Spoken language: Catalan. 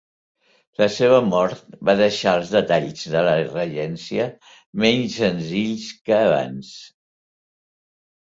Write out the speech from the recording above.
La seva mort va deixar els detalls de la Regència menys senzills que abans.